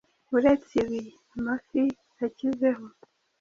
Uretse ibi amafi akizeho